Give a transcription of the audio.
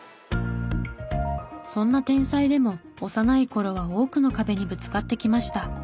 そんな天才でも幼い頃は多くの壁にぶつかってきました。